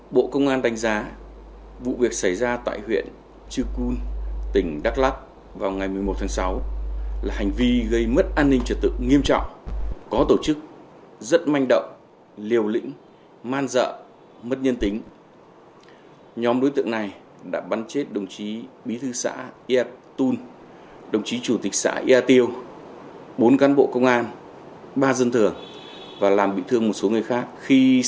thưa đồng chí liên quan đến vụ nổ súng tại đắk lắc vào ngày một mươi một tháng sáu vừa qua thì đồng chí có những nhận định và đánh giá như thế nào về vụ việc này